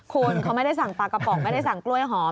คุณเขาไม่ได้สั่งปลากระป๋องไม่ได้สั่งกล้วยหอม